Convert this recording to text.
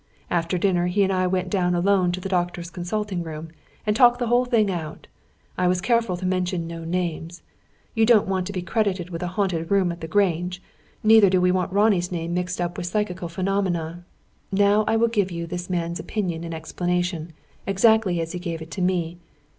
After dinner he and I went down alone to the doctor's consulting room, and talked the whole thing out. I was careful to mention no names. You don't want to be credited with a haunted room at the Grange, neither do we want Ronnie's name mixed up with psychical phenomena. Now I will give you this man's opinion and explanation, exactly as he gave it to me.